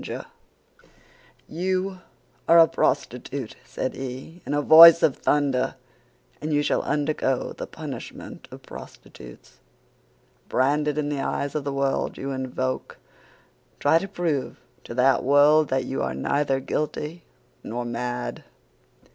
"'You are a prostitute,' said he, in a voice of thunder, 'and you shall undergo the punishment of prostitutes! Branded in the eyes of the world you invoke, try to prove to that world that you are neither guilty nor mad!